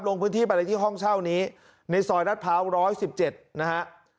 ลงพื้นที่ไปเลยที่ห้องเช่านี้ในซอยรัฐพร้าวร้อยสิบเจ็ดนะฮะ